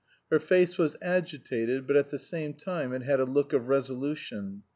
Her face was agitated, but at the same time it had a look of resolution.